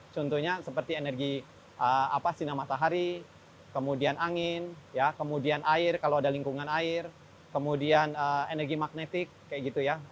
contohnya seperti energi sinar matahari kemudian angin kemudian air kalau ada lingkungan air kemudian energi magnetik kayak gitu ya